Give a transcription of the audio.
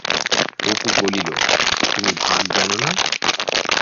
অপু বলিল, তুমি ভাগ জানো না?